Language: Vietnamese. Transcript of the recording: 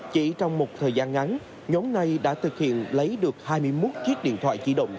chỉ trong một thời gian ngắn nhóm này đã thực hiện lấy được hai mươi một chiếc điện thoại di động